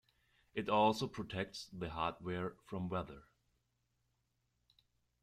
It also protects the hardware from weather.